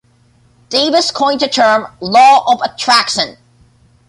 Davis coined the term "law of attraction".